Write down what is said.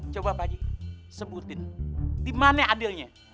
coba pak eji sebutin dimana adilnya